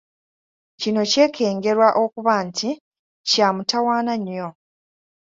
Kino kyekengerwa okuba nti kya mutawaana nnyo.